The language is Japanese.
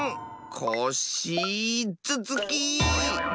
コッシーずつき！